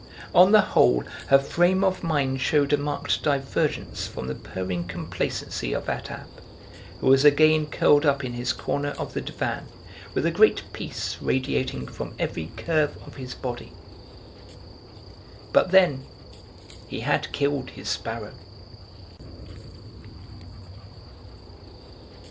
On the whole her frame of mind showed a marked divergence from the purring complacency of Attab, who was again curled up in his corner of the divan with a great peace radiating from every curve of his body. But then he had killed his sparrow.